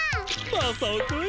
まさおくん